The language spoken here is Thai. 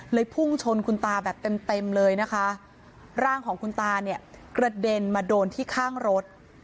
พุ่งชนคุณตาแบบเต็มเต็มเลยนะคะร่างของคุณตาเนี่ยกระเด็นมาโดนที่ข้างรถ